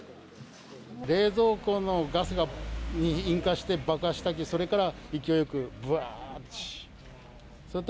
冷蔵庫のガスに引火して、爆発したけ、それから勢いよくぶわーって。